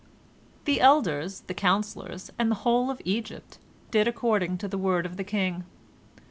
The elders, the counsellors, and the whole of Egypt did according to the word of the king.